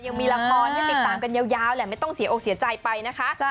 ยังมีละครให้ติดตามกันยาวแหละไม่ต้องเสียอกเสียใจไปนะคะ